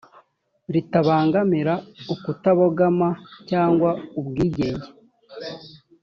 ritabangamira ukutabogama cyangwa ubwigenge